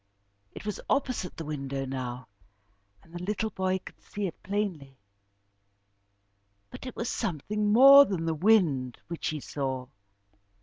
It was opposite the window now, and the little boy could see it plainly, but it was something more than the wind which he saw.